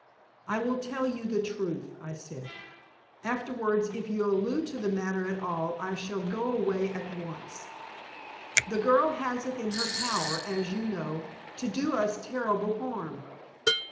"I will tell you the truth," I said. "Afterwards, if you allude to the matter at all I shall go away at once. The girl has it in her power, as you know, to do us terrible harm.